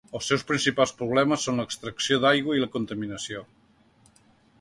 Els seus principals problemes són l'extracció d'aigua i la contaminació.